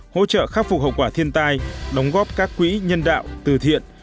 hỗ trợ khắc phục hậu quả thiên tai đóng góp các quỹ nhân đạo từ thiện